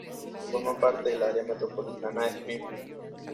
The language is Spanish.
Forma parte del área metropolitana de Springfield.